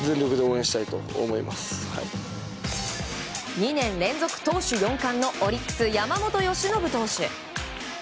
２年連続投手４冠のオリックス山本由伸投手。